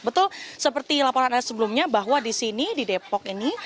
betul seperti laporan anda sebelumnya bahwa di sini di depok ini